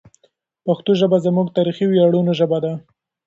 پښتو ژبه زموږ د تاریخي ویاړونو ژبه ده.